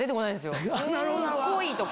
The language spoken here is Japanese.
濃い！とか。